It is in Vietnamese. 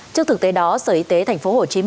trước thực tế đó sở y tế tp hcm